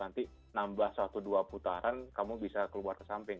nanti nambah satu dua putaran kamu bisa keluar ke samping